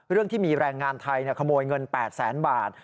ที่มีแรงงานไทยขโมยเงิน๘แสนบาท